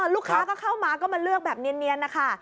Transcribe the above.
ลูกค้าก็เข้ามาก็มาเลือกแบบเนียนนะคะ